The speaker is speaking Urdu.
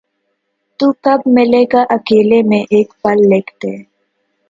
تو کب ملے گا اکیلے میں ایک پل لکھ دے